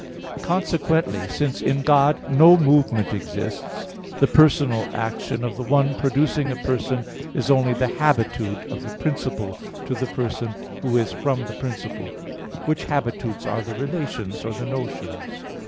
Consequently, since in God no movement exists, the personal action of the one producing a person is only the habitude of the principle to the person who is from the principle; which habitudes are the relations, or the notions.